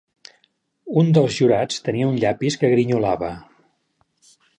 Un dels jurats tenia un llapis que grinyolava.